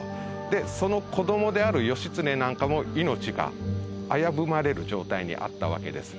でその子どもである義経なんかも命が危ぶまれる状態にあったわけです。